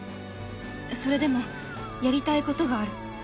「それでもやりたい事がある」